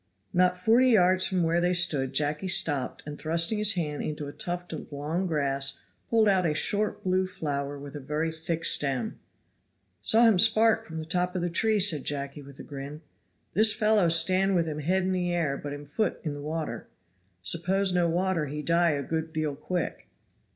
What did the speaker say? Not forty yards from where they stood Jacky stopped and thrusting his hand into a tuft of long grass pulled out a short blue flower with a very thick stem. "Saw him spark from the top of the tree," said Jacky with a grin. "This fellow stand with him head in the air but him foot in the water. Suppose no water he die a good deal quick."